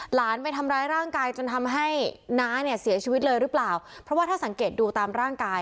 หลานไปทำร้ายร่างกายจนทำให้น้าเนี่ยเสียชีวิตเลยหรือเปล่าเพราะว่าถ้าสังเกตดูตามร่างกาย